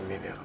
amin ya allah